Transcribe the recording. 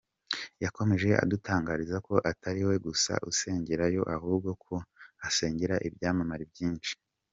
Yakomeje adutangariza ko atari we gusa usengerayo ahubwo ko hasengera ibyamamare byinshi.